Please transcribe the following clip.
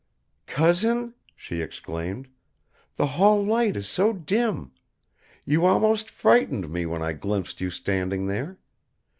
"Cousin?" she exclaimed. "The hall light is so dim! You almost frightened me when I glimpsed you standing there.